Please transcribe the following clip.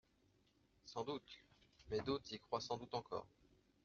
—Sans doute ! mais d'autres y croient sans doute encore.